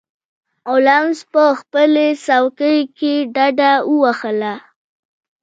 هولمز په خپله څوکۍ کې ډډه ووهله.